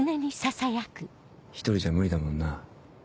一人じゃ無理だもんな。